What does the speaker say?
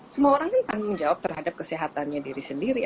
semua orang kan tanggung jawab terhadap kesehatannya diri sendiri